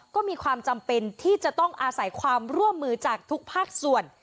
ก็มีความจำเป็นที่จะต้องอาศัยความร่วมมือจากทุกภาคส่วน